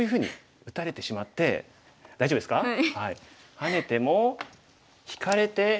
ハネても引かれて。